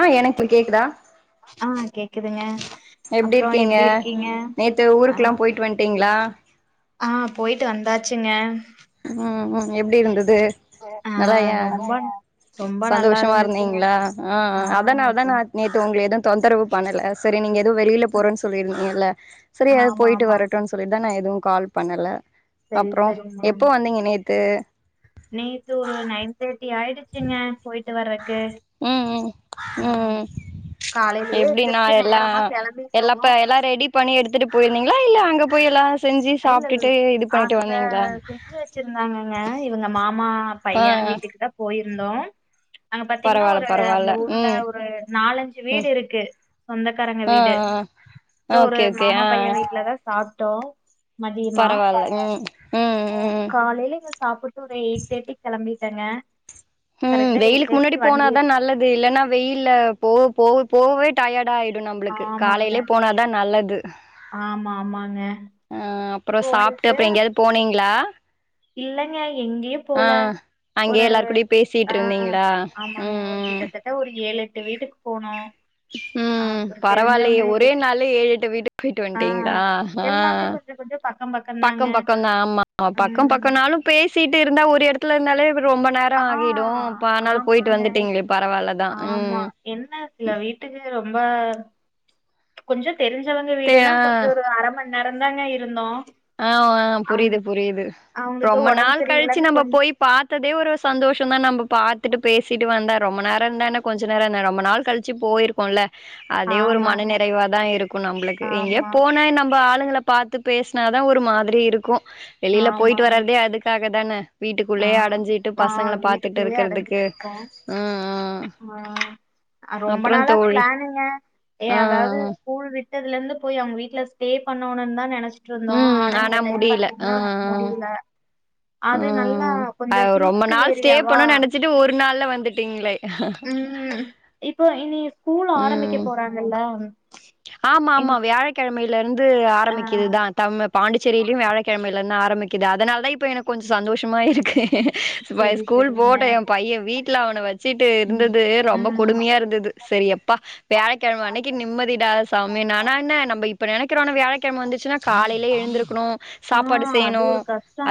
ஆ எனக்கு கேக்குதா ஆ கேக்குதுங்க எப்டி இருக்கீங்க நேத்து ஆ ஊருக்கெல்லா போயிட்டு வந்ட்டீங்களா ஆ போயிட்டு வந்தாச்சுங்க ம் ம் எப்டி இருந்தது ஆ நறையா ரொம்ப ரொம்ப நல்லா சந்தோஷமா இருந்துச்சுங்க இருந்தீங்களா ஆ ஆ அதனால தா நா நேத்து உங்கள எது தொந்தரவு பண்ணல சரி நீங்க எதோ வெளியில போறன் சொல்லிருந்தீங்கல்ல சரி ஆமா போயிட்டு ஆமாங்க வரட்டு சொல்லிட்டு தா நா எதுவு கால் பண்ணல சரி அப்றோ சரி மேம் எப்போ வந்தீங்க நேத்து நேத்து ஒரு நைன் தேர்ட்டி ஆயிடுச்சுங்க போயி ட்டு வர்றக்கு ம் ம் ஆ ம் காலையிலயே எப்டின்னா எந்திரச்சு நேரமா கெளம்பிட்டவோ குக் பண்ணி எடுத்துட்டு போயிருந்தீங்களா இல்ல அங்க போய் எல்லா செஞ்சு இல்ல இல்ல சாப்ட்டுட்டு இது பண்ணிட்டு அங்க வந்தீங்களா செஞ்சு வச்சிருந்தாங்கங்க இவங்க மாமா ஆ பைய ஆ வீட்டுக்கு தா போயிருந்தோ அங்க பாத்தீங்கன்னா பரவால்ல ஒரு அந்த பரவால்ல ஊர்ல ம் ஒரு நாலஞ்சு வீடு ம் இருக்கு சொந்தக்காரங்க ஆ வீடு ஆ அப்றோ ஒரு ஓகே ஓகே மாமா ஆ பைய வீட்லதா சாப்டோ மதியமா பரவால்ல ம் ம் ம் காலையில இங்க சாப்புட் டு ஒரு எயிட் தேர்ட்டி கெளம்பிட்டங்க ம் வெயிலுக்கு முன்னாடி போனாதா எடுத்து நல்லது இல்லைன்னா வெயில்ல போ போவு போவவே டயடாயிடு நம்பளுக்கு ஆமாங்க காலையிலே போனாதா நல்லது ஆமா ஆமாங்க அ அப்புறோ சாப்ட்டு அப்புற எங்கேயாது போனீங்ளா இல்லங்க எங்கேயு போல ஒரு அங்கேயே எல்லாரு கூடயு பேசிட்டு ஆ இருந்தீங்களா ஆமாங்க ஒரு ம் கிட்டதட் ட ஒரு ஏழு எட்டு வீட்டுக்கு போனோ ம் பரவாயில்லையே ஒரே நாள்ல ஏழு எட்டு வீட்டுக்கு போயிட்டு வந்துட்டீங்களா ஆஹ் அ எல்லாமே கொஞ்சம் கொஞ்சம் பக்கம் தாங்க பக்கம் பக்க தா ஆமா பக்கம் பக் உம் கனாலு பேசிட்டு இருந்தா ஒரு எடத்துல இருந்தாலே ரொம்ப நேரோ ஆகிடு ஆஹ் அப்ப ஆனாலா போயிட்டு ஆமாங்க வந்துட்டீங்களே பரவாயில்ல தா ஆமா. ம் என்ன சில வீட்டுக்கு ரொம்ப கொஞ்ச தெருஞ்சவங்க தே வீடுனா ஆ கொஞ்சொ ஒரு அர மண் நேரொந் தாங்க இருந்தோ அ அ புரியிது புரியிது அவுங்களுக்கு ரொம்ப உடம்பு நாள் கழுச்சு சரியில்லன்னு நம்ம கொஞ் போய் பாத்ததே ஒரு சந்தோஷொந் தா நம்ப பாத்துட்டு பேசிட்டு வந்தா ரொம்ப நேரொ இருந்தா என்ன கொஞ்ச நேரொ இருந்தா என்ன ரொம்ப நாள் கழி ச்சு போயிருக்கோல அதே ஒரு மன ஆமாங்க. நிறைவாதா இருக்கு நம்ப்ளுக்கு எங்கே ஆமா, போன எ நம்பொ ஆளுங்கள பாத்து பேசி னாதா ஒரு மாதிரி இருக்கு வெளில பொயிட்டு ஆமாங்க. வரறதே அதுக்காகதான ஆ. வீட்டுக்குள்ளே அடஞ்சிட்டு ஆ பசங்கள பாத்துட்டு வீட்டுக்குள்ளேயே இருக்குறதுக்கு அடைஞ்சுட்டுருக்கோம். ம் ம் ஆ அ, ரொம்ப அப்றொ நாளா தோழி பிளானுங்க. ஏ அ அ அதாவது ஆமா ஸ்கூல் விட்டதுல இருந்து போயி அவுங்க வீட்ல ஸ்டே பண்ணனு தா நெனச் சுட்ருந்தோ ம் ஆனா இந்த டைம் முடில ஆ பாத்திங்கன்னா முடியில ஆ அது நல் லா ஆ கொஞ்சொ ரொம்ப ஹில்ஸ் நாள் ஸ்டே ஏரியாவா [unintelligible] ஒரு நாள்ல வந்துட்டீங்ளே ம் இப்போ இனி ஸ்கூல் ம் ஆரம்பிக்க போறாங்கல்ல ஆமா இனி ஆமா வியாழக்கெழமைல இருந்து ஆ ஆரம்பிக்கிதுதா தம் பாண்டிச்சேரியிலியு வியாழக்கெழம யிலந்து ஆரம்பிக்குது அதனால தா இப்ப எனக்கு கொஞ்ச சந்தோஷமா இருக்கு இப்ப செரி ஸ்கூல் செரிங்க போட்டு எ பையெ வீட்டுல அவன வச் சிட்டு ம் இருந்தது ரொம்ப ம். கொடுமையா இருந்தது செரி யப்பா வியாழக்கெழம அன்னக்கி நிம்மதி டா சாமி நானா என்ன நம்ப இப்ப நெனக்கிறோ ஆனா வியாழக்கெழம வந்துச்சுன்னா காலையில எழுந்திருக்கணு ஆ சாப்பாடு அது செய்யணு ஒரு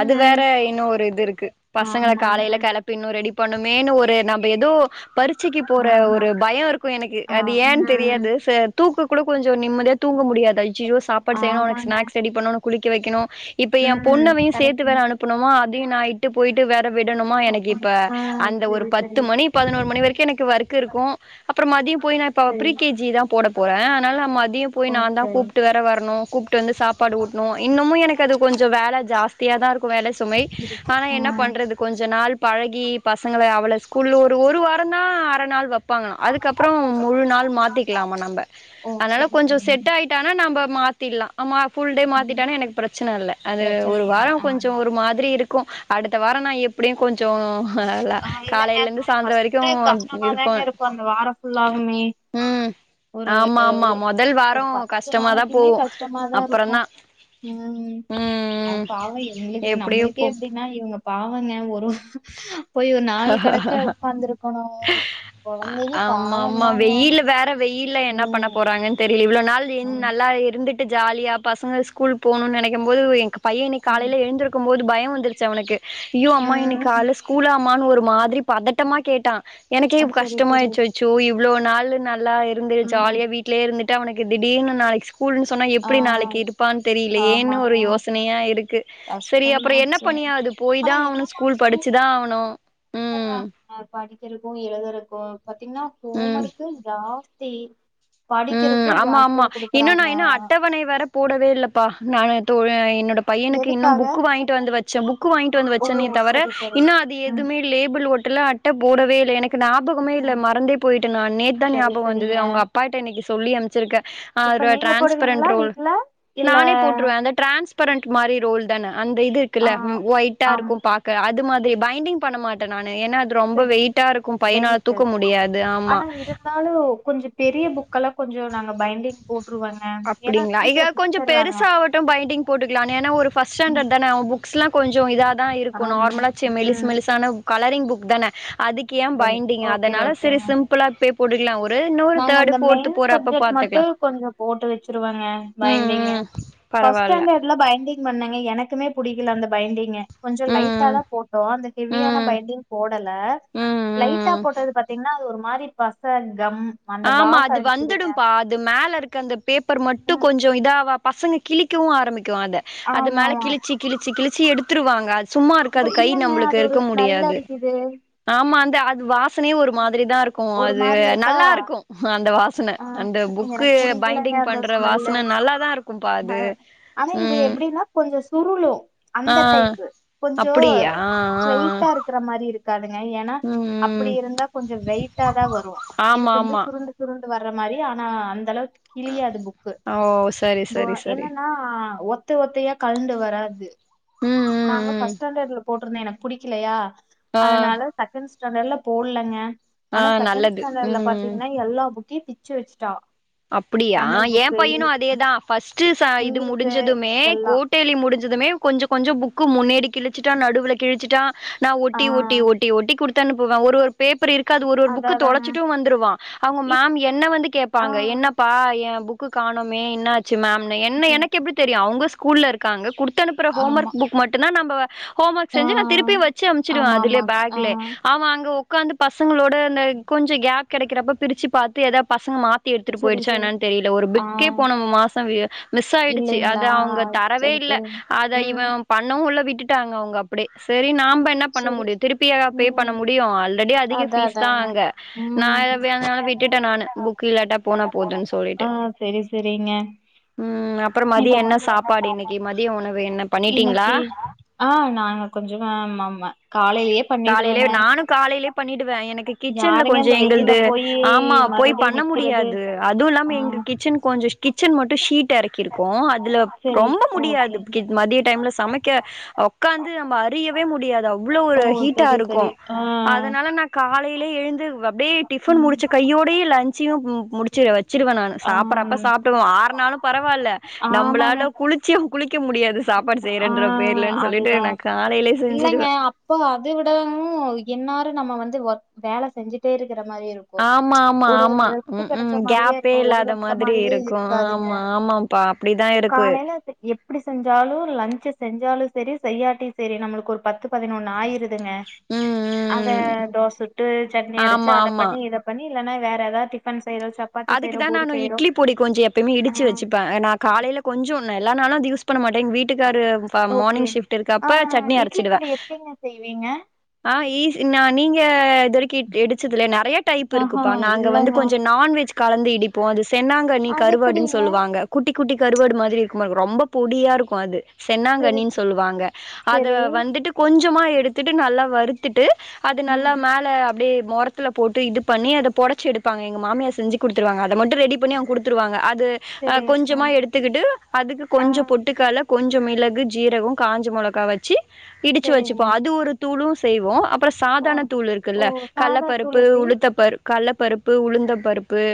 அது வேற இன்னொ ஒரு இது இருக்கு பசங்கள ஆமாங்க காலைல கெளப் பினு ரெடி பண்ணன்மேனு ஒரு நம்ப எதோ பரிச்சக்கி போற ஆமா ஒரு பயொ இருக்கு எனக்கு ஆ அது ஏன்னு ம் தெரியாது சர் தூக்கொ குட கொஞ்சோ நிம்மதியா தூங்க முடியாது அய்யயோ சாப்பாடு செய்யணு அவுனக் ஆமாங்க ஸ்னாகஸ் ரெடி பண்ணனு குளிக்க வெக்கணு இப்போ ஏ ம் பொண்ணவயு சேத்து வேற கரெக்ட்டுங்க அனுப்பணுமா அதயு நாயிட்டு போய்ட்டு வேற விடணுமா எனக்கு இப்ப ஆ அந்த ஒரு செரி பத்து செரி மணி பதினோரு மணி வரைக்கு எனக்கு வர்க்க இருக்கு அப்பறொ மதியொ போய் நா இப்ப அவ செரி ப்ரீ கே ஜி தா போடப் போறே அதுனால நா மதியோ போயி நாந்தா ஓகே கூப்ட்டு வேற வரனு கூப்ட்டு வந்து சாப் பாடு ஊட்ணு இன்னுமு எனக்கு அது கொஞ்சொ வேல ஜாஸ்தியாதா இருக்கு வேல சுமை இருக்கு ஆனா ஆ என்ன பண்றது கொஞ்ச நாள் பழகி பசங்கள அவள ஸ்கூல்ல ஒரு ஒரு வாரந்தா அர நாள் வப் ப்பாங்களா அதுக்கப்பறோ முழு நாள் மாத்திக்லாமா நம்ப ஓ அதுனால செரி கொஞ்சோ செரிங்க செட்டா டாய்ட்டானா நம்ப மாத் திட்லா ஆமா ஃபுல் டே ம் மாத்திட்டானா எனக்கு பிரச்சன இல்ல அது பிரச்சன ஒரு இல்ல வாரொ கொஞ்சோ ஆமா ஒரு மாதுரி இரு ருக்கு அடுத்த வாரொ நா எப்டியு கொஞ்சோ நல்லா ஆ இல்லங்க காலெலந்து கொஞ்சோ சாந்ரோ வரைக்கு ஃபர்ஸ்ட் இருப்பொ கஷ்டமாதாங்க இருக்கு அந்த வாரோ ஃபுல்லாவுமே ம் ஒரு ஆமா ஆமா ஒரு முதல் ஒரு வாரம் பத்து கஷ்டமாதான் நாளைக்குமே போகும் கஷ்டமாதா இருக்கு அப்புறம்தான் ம் ஆனா ம் பாவோ இவுங்ளுக்கு எப்படியோ நம்ளுக்கே போ இப்டி னா இவுங்க பாவங்கெ ஒரு போய் ஒரு நாள் கடக்க உக்காந்துருக்கணு கொழந்தைங்க ஆமா ஆமா பாவந்தாங்க வெயில வேற வெயில்ல என்ன ம் பண்ணபோறாங்கன் தெரில இவ்ளோ நாள் இன் ஆமா நல்லா இருந்துட்டு டு ஜாலியா பசங்க ஸ்கூல் போனுன் நெனெக்கம்போது எங்க பையெ இன்னெக் ம் காலைல எழுந்திருக்குபோது பயோ வந்துருச்சு அவனுக்கு அயோ அம்மா இன்னக் ம் கால்ல ஸ்கூலா அம்மானு ஒரு மாதுரி பதட்டமா கேட்டா எனக்கே ஆ இப் செரி செரி கஷ்டமாயிச்சு அச்சோ இவ்ளோ நாளு நல்லா இருந்து ம் ஜாலியா வீட் லே இருந்துட்டு அவனுக்கு திடீர்னு நாளைக்கு ஸ் கூல்ன்னு சொன்னா ஆ எப்டி நாளக்கி இருப்பான்னு தெரிய்லயேன்னு ஆமாங்க ஒரு யோசனயா இருக்கு செரி அப்றோ என்ன கஷ்டந்தாச்சு பண்ணியாது போய் தா ஆவ்னு ஸ்கூல் படிச்சுதா ஆவுனு கஷ்டாமார்க்மே படிக்கிறத்க்கு எழுதுறத்க்கு பாத்தீங்கன்னா ஹோம் ம் ஒர்க்கு ஜாஸ்தி ம் படிக்கிறக்கு ஆமா ஆமா ஜாஸ்தியா இன்னு நா குடுக்குறாங்க இன்னு அட்டவணை வேற போடவே இல்லப்பா நா தோ என் பையனுக்கு இன்னு எதுக்காக புக்கு வாங்கிட்டு வந்து வச்ச புக்கு வாங்கிட்டு வந்து ஓ வச்சன்னே தவர சரி சரி இன்னு அது ம் எதுமே லேபிள் ஓட்டல அட்ட போடவேல்ல எனக் ஞாபகமே இல்ல ம் மறந்தே போய்ட்டே நா நேத்தா சரி ஞாபகோ வந்துது சரிங்க அவுங்கப்பாட்ட இன்னிக்கி சொல்லி அம்ச்சிருக்கே ஆ இப்ப ர நீங்க டிரான்ஸ்பரண்ட் போடுவீங்களா ரோல் வீட்ல இல்ல நானே போட்ருவே அந்த டிரான்ஸ்பரண்ட் மாரி ரோல்தான அந்த இது ஆ இருக்குல்ல ம் ஆம் ஒய்ட்டாருக்கு பாக் க்க அது மாதிரி பைண்டிங் பண்ணமாட்டே நானு ஏனா ரொம்ப சரி வெயிட்டாருக்கு பையனால தூக்க முடியாது ஆமா ஹலோ கொஞ்சோ பெரிய புக்கல்லா கொஞ்சோ நாங்க பைண்டிங் போட்ருவங்க ஏன்னா அப்டிங்களா இல சீக்கிர கொஞ்சோ பிச்சிர்றாங்க பெருசாவட்டு பைண்டிங் போட்டுக்கலா ஏனா ஒரு ஃபஸ்ட் ம் ஸ்டாண்டர்ட் தான அவ புக் க்ஸ்லா கொஞ்சோ இத தா இருக்கு ஆமா நார்மலாச்ச மெலுசு ம் மெலுசான கலரிங் புக் தான அதுக்கு ஏ சரி பைண்டிங் ஓகே அதனால செரி ஓகேங்க சிம்ப்ளா பெ போடுக்லா ஒரு இனோரு நாங்க தேர்டு அந்த ஃபோர்த் மெயின் போறப்ப சப்ஜெக்ட் மட்டு பாத்துக்லா கொஞ்ச போட்டு வச்சிருவங்கே பெண்டுங்க ம் பரவால்ல ஃபஸ்டேன்டேடு இல்ல பைண்டிங் பண்ணுங்க எனக்குமே புடிக்கல அந்த பைண்டிங் கொஞ்சோ லைட்டா ம் தா போட்டோ அந்த ஹெவியான ம் பைண்டிங் போடல ம் லைட்டா ம் போட்டது பாத்தீங்கன்னா அது ஒரு மாரி பச கம் அந்த ஆமா வாசோ அது அடிக்குதுங்க வந்துடும்பா அது மேலருக்க அந்த பேப்பர் மட்டு கொஞ்சோ சோ இதாவா பசங்க கிழிக்கவு ஆரம்பிக்கு அத அது ஆமா மேல ஆமா கிழிச்சி கிழிச்சி கிழிச்சி எடுத்துருவாங்க அ அப்றோ சும்மாருக்காது கை இல்லங்க நம்ளுக்கு அது ஒரு இருக்க ஸ்மெல் முடியாது அடிக்குது ஆமா அந்த அது வாசனயு ஒரு மாதிரிதாருக்கு ஒரு அது மாரி இருக்கா நல்லார்க் அந்த வாசன ஆ அந்த புக்கு எனக்கு புடிக்கலங்க பைண்டிங் அந்த பண்ற ஸ்மெல்லு வாசன நல்லாதாருக்கும்பா அது ஆனா இது ம் எப்டினா கொஞ்சோ சுருளு ஆ அந்த டைப்பு கொஞ்சோ அப்டியா ஆ ஆ ஆ. ஸ்ரைட்ட்டாருக் இருக்க மாரி இருக்காதுங்க ஏன்னா ம் ம் அப்டிருந்தா கொஞ்சோ வெயிட்டா தா வரும் இது ஆமா கொஞ்சோ ஆமா சுருண் குரு குருண்டு வர்ற மாரி ஆனா அந்த அளவுக்கு கிழியாது புக்கு ஓ சரி பு சரி சரி என்னன்னா ஒத் ஒத்த ஒத்தையா கழண்டு வராது ம் ம் நாங்க ம் ஃபர்ஸ்ட் ஸ்டாண்டர்ட்ல போட்டிருந்தே எனக்கு புடிக்கலயா ஆ அதனால செகண்ட் ஸ்டாண்டர்ட்ல போட்லங்க ஆ ஆனா செகண்ட் நல்லது ஸ்டாண்டர்ல ம் பாத்தீங்கன்னா எல்லா புக் யு பிச்சு வச்சுட்டா அப்டியா தமிழ் ஏ புக்கு பையனு அதேதா ஃபஸ்ட்டு ச இது இங்கிலீஷு முடிஞ்சதுமே இதெல்லா கோட் டலி முடிஞ்சதுமே கொஞ்சோ கொஞ்சோ புக்கு முன்னேடி கிழிச்சிட்டா நடுவுல கிழிச்சிட்டா நா ஆ ஒட்டி ஒட்டி ஒட்டி ஒட்டி குடுத்தனுப்புவே ஒரு ஒரு பேப்பர் இருக்காது ஒரு ஒரு அதா புக்க அதாங்க தொலச்சிட்டு வந்துருவா அவுங்க இப் மேம் என்ன வந்து ஆ கேப்பாங்க பா ஏ புக்கு காணோமே என்னாச்சு மேம்னு என்ன சரி எனக்கு எப்டி தெரியு அவுங்க ஸ் கூல்லருக்காங்க குடுத்தனுப்புற ஹோம் ஆமா ஒர்க் புக் மட்டுந்தா நம்ப ஹோம் ஒர்க் ஆ செஞ்சு நா திருப்பி வச்சு அம்சுடுவே ஆமா அதுலே ஆமாங்க பேக்லே ஆ அவெ அங்க உக்காந்து பசங்களோட இந்த கொஞ்சோ கேப் கெடைக்கிறப்ப பிரிச்சு பாத்து ஏதாவது பசங்க மாத் தி எடுத்துட்டு சரி போய்டுச்சா சரி என்னானு தெரில ஒரு ஆ பிக்கே போன மாசோ மிஸ் ஆயிடுச்சு இல்லைங்களா அது அவுங்க தரவே சரி இல்ல சரி அத இவெ ம் பண்ணவு இல்ல விட்டுட்டாங்க அவுங்க அப்டியே செரி நம் பண் ன்ன பண்ண சரி முடியு திருப்பியா பே பண்ண ம் முடியு அல்ரெடி அதிக அதா ஃபீஸ் தா அதாங்க அங்க நா ம் எ விட்டுட்டே நானு புக்கு இல்லாட்ட ஆ சேரி சேரிங்க ம் அப்றோ மதியோ இப்பவா என்ன சாப்பாடு இன்னைக்கு மதிய உணவு என்ன பண்ணிட்டீங்களா இன்னக்கி ஆ நாங்க கொஞ்ச ஆமாம்மா காலைலயே பண்ணிடுவங்க காலைலே பண்ணிடுவே எனக்கு கிச்சன்ல கொஞ்ச இந்த வெயில எங்கள்து போயி ஆமா போய் மறுபடி பண்ண நிக்கிறது முடியாத் து அதுவு இல்லாம ஆ எங்க கிச்சன் கொஞ்ச கிச்சன் மட்டு ஷீட் டெறக்கிருக்கோ அதுல சரி ரொம்ப ஓகே முடியாது கிட் மதிய டைம்ல சமைக்க ஒக்காந்து நம்ம அரியவே முடியாது அவ்ளோ ஓ ஒரு ஹீட்டா சரி இருக்கு சரி ஆ அதுனால நா காலைலே எழுந்து அப்டியே டிஃபன் ம் முடிச்ச கையோடயே லஞ்ச்சயு ம் முடிச்சு வெச்சுருவே நானு ஆ சாப்பறப்ப சாப்டுவோ ஆறுநாலு பரவால்ல ஆமாங்க நம்பளால குளிச்சு குளிக்க முடியாது சாப்பாடு ஆ செய்றேன்ற பேர்லன் சொல்லிட்டு நா காலைலே செஞ்சுடுவே சோ அதை விடவு என்நேர நம்ம வந்து ஒர்க் வேல செஞ்சுட்டே இருக்கிற மாரி இருக் ஆமாம்மா ஆமா ம் ம் மாரியே கேப்பே இருக்கு இல்லாத ஓய்வெடுத்த மாதிரி மாரியே இருக்கு இருக்காதுங்க ஆமா ஆமாம் பா அப்டிதா இருக்கு காலைல எப்டி செஞ்சாலு லஞ்ச்சு செஞ்சாலு சேரி செய்யாட்டியு சேரி நம்மளுக்கு ஒரு பத்து பதினொன்னு ஆயிருது துங்க ம் அத ம் தோச சுட்டு சட்னி அரச்சு ஆமா அத ஆமா பண்ணி இதப் பண்ணி இல்லனா வேற எதா டிஃபன் செய்றோ சப் அதுக்குதா நானு இட்லிப் பொடி கொஞ்ச எப்பயுமே ஆ இடிச்சு வச்சுப்பே நா காலைல கொஞ்ச நா எல்லா நாளு அது யூஸ் பண்ண மாட்டே எங் வீட்டுக்காரு இப்ப ஓகே மார்னிங் ஷிஃப்ட் ஆ இருக்கப்ப சட்னி இட்லி அரைச்சிடுவே பொடி எப்டிங்க செய்வீங்க ஆ ஈசி நா நீங்க இதுவரைக்கு இ இடுச்சதுல்லயா நெறையா டைப் ஆஹா இருக்குப்பா நாங்க வந்து இல்லங்க கொஞ்ச நான்வெஜ் கலந்து இடிப்போ அது சென்னாங்கண்ணி அது கருவாடுன் எப்டிங்க சொல்லுவாங்க குட்டி குட்டி கருவாடு மாதிரி இருக்குமா எனக்கு ரொம்ப பொடியா இருக்கு அது செரி சென்னாங்கன்னினு சொல்லுவாங்க அத செரி வந்துட்டு கொஞ்சமா எடுத்துட்டு நல்லா வருத்துட்டு அது நல்லா ம் மேல அப்டியே மொறத்துல போட்டு இது பண்ணி அத பொடச்சு எடுப்பாங்க எங்க மாமியா செஞ்சு குடுத்துருவாங்க அத மட்டு ரெடி பண்ணி அவுங்க குடுத்துருவாங்க அது அ சரி ஆ கொஞ்சமா எடுத் துக்கிட்டு அதுக்கு ஆ கொஞ்ச பொட்டுக்கட்ல கொஞ்ச மிளகு ஜீரக காஞ்ச மொளகா வெச்சு இடிச்சு சரிங்க வெச்சுப்போ அது ஒரு தூளு செய்வோ அப்பற ஓ சாதாண தூள் ஓ இருக்குல்ல சாதா கல்லப்பருப்பு தூள் எப்டி உளுத்த பருப் கல்லப்பருப்பு உளுந்த பருப்பு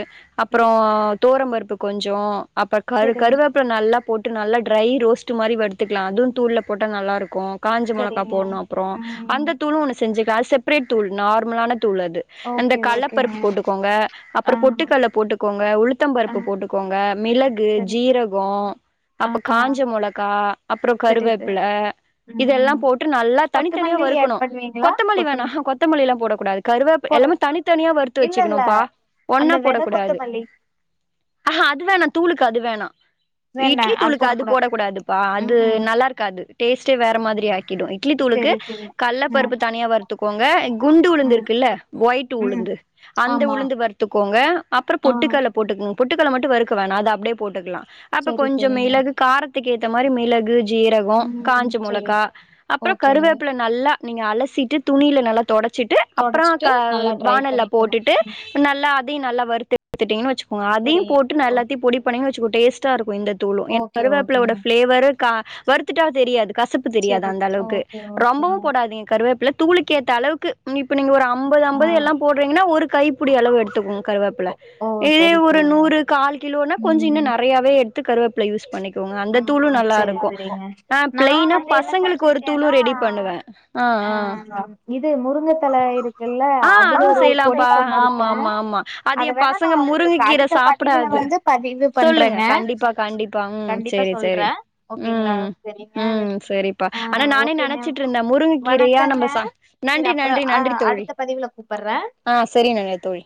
அப்றோ ம் தொவரம் பருப்பு கொஞ்ச அப்பற் கரு சரி கருவேப்பில நல்லா போட்டு நல்லா ட்ரை ரோஸ்ட்டு மாரி வறுத்துக்கலா அதுவு தூள்ல போட்டா நல்லாருக்கு காஞ்ச மொளகா சரிங்க போட்ணு அப்றோ ம் அந்த தூளு ஒன்னு செஞ்சுருக்க அது செப்ரேட் தூள் நார்மலான தூள் அது அந்த ஓகே ஓகேங்க கல்லப்பருப்பு போட்டுக்கோங்க ஆ அப்பற பொட்டுக்கட் ல போட்டுக்கோங்க உளுத்தம் ஆ பருப்பு போட்டுக்கோங்க மிளகு சரி ஜீரகோ ஆ அப்ப காஞ்ச மொளகா அப்றோ சரி சார் கருவேப்பில இதெல்லா ம் போட்டு நல்லா தனித்தனியா கொத்தமல்லி ஆட் வறுக்கணு பண்ணுவீங்களா கொத்தமல்லி வேணா கொத்தம் கொத்தமல்லிலா போடக் கூடாது கருவேப் போட எல்லாமே தனித்தனியா வறுத்து இல்ல இல்ல வெச்சுக்கணும்ப்பா அந்த ஒன்னா வெத போடக் கூடாது கொத்தமல்லி அ ஹா அது வேணா தூளுக்கு அது வேணா வேண்டா இட்லி தூளுக்கு அது போடக்கூடாது போடக் கூடாதுப்பா அது ம்ஹூம் நல்லா இருக்காது டேஸ்ட்டே வேற மாதிரி ஆக்கிடு இட்லி தூளுக்கு சரி சரி ம் கல்லப்பருப்பு தனியா வறுத்துக்கோங்க அ குண்டு உளுந்து ம் இருக்குல்ல ஒயிட் ம் உளுந்து அந்த ஆமா உளுந்து வறுத் த்துக்கோங்க அப்றோ ஆ பொட்டுக்கட்ல போட்டுக்குங்க பொட்டுக்கட்ல மட்டு வறுக்க வேணா அத அப்டியே போட்டுக்கலா அப்ப சரி கொஞ்ச சரிங்க மிளகு காரத்துக்கேத்த மாரி மிளகு ஜீரகோ ம் காஞ்ச சரி மொளகா அப்றோ ஓகே கருவேப்பில நல்லா நீங்க அலசிட்டு துணில நல்லா தொடச்சிட்டு அப்றோ தொடச்சிட்டு க நல்லா ட்ரை வாணல்ல பண்ணிக்கணு போட்டுட்டு ம் நல்லா அதையு நல்லா வறுத்து எடுத்துட்டிங்கனு வெச்சுக்கோங்க அதையு சரி போட்டு ஓ எல்லாத்தயு பொடி பண்ணிங்கனு வெச்சுக்கோ டேஸ்டா இருக்கு இந்த தூளு என [inaudible] ஓகே கருவேப்பிலயோட ஓகேங்க ஃபிளேவரு க வறுத்துட்டா தெரியாது கசப் தெரியாது சரி அந்த அளவுக்கு ஓகே ரொம்பவு ஓகேங்க போடாதீங்க கருவேப்பில்ல தூளுக்கேத்த அளவுக்கு இப்ப நீங்க ஒரு அ ம்பது ஆ அம்பது எல்லா போடுறீங்கனா ஒரு கைப்புடி அளவு எடுத்துக்கோ கருவேப் ப்ல ஓ இதே சரி ஒரு சரிங்க நூறு கால் கிலோனா கொஞ்சோ இன்னு ம் நெறையாவே எடுத்து கருவேப்ல யூஸ் பண்ணிக் கோங்க அந்த ஆ தூளு நல்லா சரி இருக்கு சரிங்க நா ப்ளைனா வந்து என்ன பசங்களுக்கு ஒரு தூளு செஞ்சிருக்கேன்னா ரெடி பண்ணுவ ஆ இது முருங்கத்தல இருக்குல்ல ஆ அதுல அதுவு ஒரு பொடி செய்யலாம்ப்பா [inaudible] ஆமா க ஆமா ஆமா அது அத எ வேணா நா பசங்க உங்களுக்கு முருங்கக்கீர அடுத்த பதிவுல சாப்டாது வந்து பதிவு சொல்லுங்க பண்றங்க கண்டிப்பா கண்டிப்பா ம் கண்டிப்பா சேரி சொல்ற சேரி ஓகேங்களா ம் சரிங்க ம் வச் சேரிப்பா ஆ ஆனா நானே ஓகேங்க நெனச்சிட்ருந்தே முருங்கக்கீரையா வணக்கங்க நம்ம சா செரி நன்றி அப்றோ நன்றி அ அடுத்த பதிவுல கூப்பட்ற செரிங்கங்க தோழி